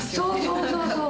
そうそうそう！